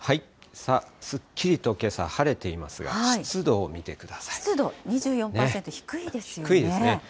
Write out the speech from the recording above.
さあ、すっきりとけさ、晴れていますが、湿度を見てください。